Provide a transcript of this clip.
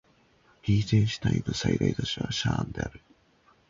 リヒテンシュタインの最大都市はシャーンである